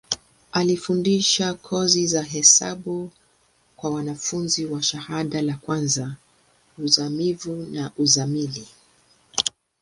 Alifundisha kozi za hesabu kwa wanafunzi wa shahada ka kwanza, uzamivu na uzamili.